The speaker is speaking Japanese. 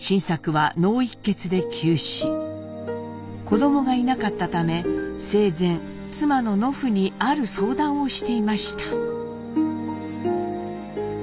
子どもがいなかったため生前妻の乃ふにある相談をしていました。